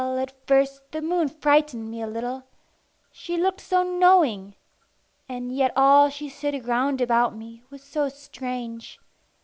Well, at first, the moon frightened me a little she looked so knowing, and yet all she said round about me was so strange.